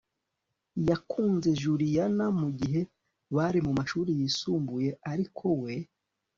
yakunze juliana mugihe bari mumashuri yisumbuye, ariko we